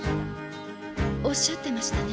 おっしゃってましたね。